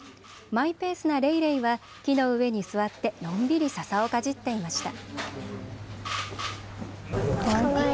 マイペースなレイレイは木の上に座ってのんびりささをかじっていました。